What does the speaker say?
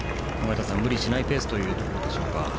無理しないペースというところでしょうか。